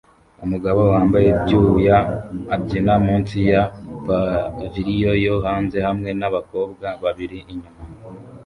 Umugabo wambaye ibyuya abyina munsi ya pavilion yo hanze hamwe nabakobwa babiri inyuma